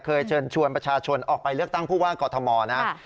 เชิญชวนประชาชนออกไปเลือกตั้งผู้ว่ากอทมนะครับ